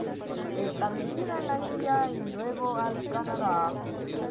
Establecida en la India y luego al Canadá.